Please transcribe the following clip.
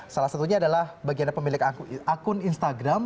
salah satunya adalah bagi anda pemilik akun instagram